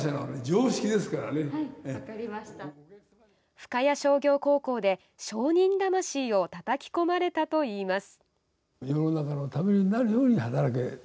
深谷商業高校で商人魂をたたき込まれたといいます。